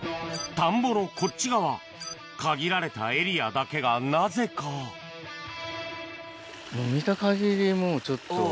田んぼのこっち側限られたエリアだけがなぜか見た感じでもうちょっと。